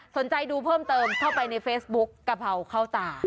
สนใจดูเพิ่มเติมเข้าไปในเฟซบุ๊กกะเพราเข้าตา